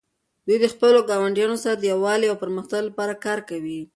دوی د خپلو ګاونډیانو سره د یووالي او پرمختګ لپاره کار کوي.